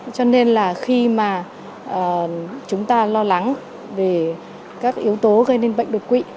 cho nên là khi mà chúng ta lo lắng về các yếu tố gây nên bệnh đột quỵ